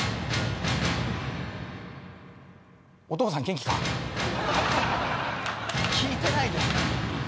お父さん元気か？聞いてないでしょ。